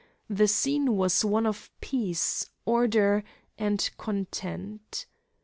The scene was one of peace, order, and content.